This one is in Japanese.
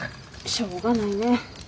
しょうがないね。